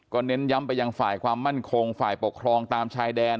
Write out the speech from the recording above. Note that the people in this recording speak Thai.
เน้นย้ำไปยังฝ่ายความมั่นคงฝ่ายปกครองตามชายแดน